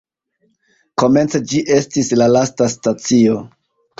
Komence ĝi estis la lasta stacio.